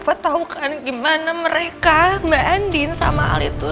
pak tahu kan gimana mereka mbak endin sama al itu